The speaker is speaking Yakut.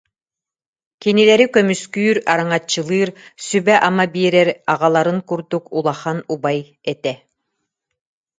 кинилэри көмүскүүр, араҥаччылыыр, сүбэ-ама биэрэр аҕаларын курдук улахан убай этэ